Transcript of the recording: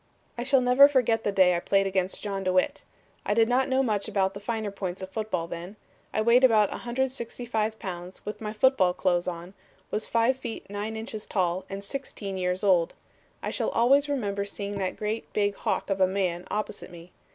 "I shall never forget the day I played against John DeWitt. I did not know much about the finer points of football then. I weighed about 165 pounds with my football clothes on, was five feet nine inches tall and sixteen years old. I shall always remember seeing that great big hawk of a man opposite me.